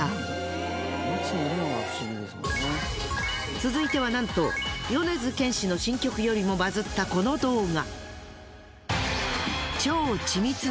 続いてはなんと米津玄師の新曲よりもバズったこの動画。